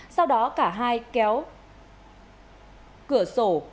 sau đó cả hai kéo cửa sổ